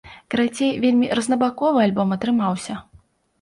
Карацей, вельмі рознабаковы альбом атрымаўся.